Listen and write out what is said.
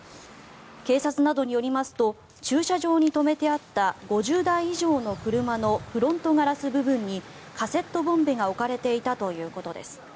警察などによりますと駐車場に止めてあった５０台以上の車のフロントガラス部分にカセットボンベが置かれていたということです。